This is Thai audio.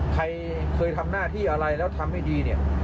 ใครเคยทำหน้าที่อะไรแล้วทำให้ดีเนี่ย